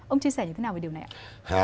ông chia sẻ như thế nào về điều này ạ